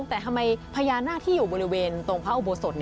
แต่ทำไมพญานาคที่อยู่บริเวณตรงพระอุโบสถ